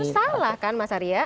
salah kan mas arya